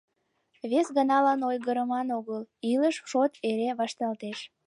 Вес ганалан ойгырыман огыл: илыш шот эре вашталтеш.